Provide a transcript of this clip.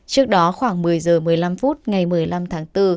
trước đó khoảng một mươi h một mươi năm phút ngày một mươi năm tháng bốn